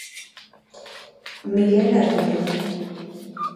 Miguel Aguiño.